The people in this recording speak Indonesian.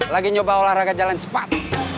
lagi nyoba olahraga jalan cepat